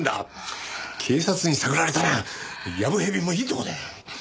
警察に探られたらやぶ蛇もいいところだよ！